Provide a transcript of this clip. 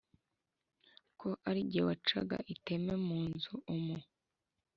ko ari jye wacaga iteme mu nzu umu